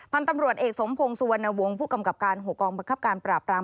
พันธ์ตำรวจเอกสมพงษ์สวนวงศ์ผู้กำกับการโหกองประคับการปราบราม